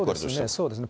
そうですね。